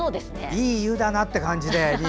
いい湯だなっていう感じで。